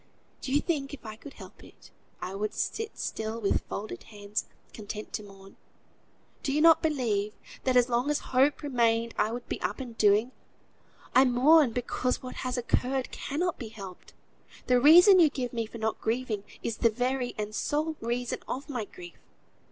Do you think if I could help it, I would sit still with folded hands, content to mourn? Do you not believe that as long as hope remained I would be up and doing? I mourn because what has occurred cannot be helped. The reason you give me for not grieving, is the very and sole reason of my grief.